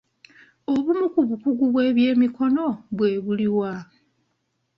Obumu ku bukugu bw'ebyemikono bwe buliwa?